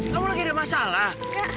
kamu lagi ada masalah